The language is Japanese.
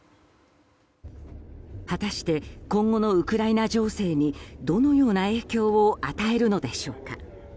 果たして今後のウクライナ情勢にどのような影響を与えるのでしょうか。